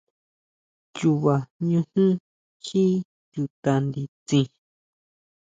Chuba ñujún jí chuta nditsin.